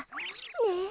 ねえ。